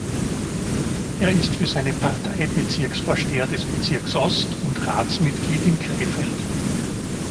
Er ist für seine Partei Bezirksvorsteher des Bezirks Ost und Ratsmitglied in Krefeld.